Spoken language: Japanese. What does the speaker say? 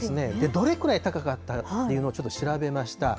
どれくらい高かったっていうのをちょっと調べました。